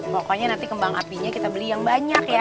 pokoknya nanti kembang apinya kita beli yang banyak ya